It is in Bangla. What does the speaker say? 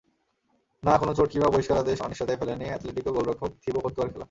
নাহ, কোনো চোট কিংবা বহিষ্কারাদেশ অনিশ্চয়তায় ফেলেনি অ্যাটলেটিকো গোলরক্ষক থিবো কর্তুয়ার খেলা।